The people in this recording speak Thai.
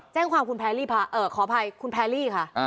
แจ้งความคุณขออภัยคุณแพรรี่ค่ะ